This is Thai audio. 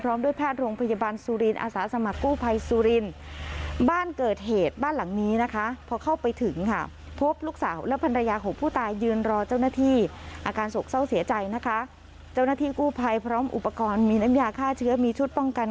พร้อมด้วยพราชโรงพยาบาลสุรินตร์อาสาสมัครกู้ภัยสุรินตร์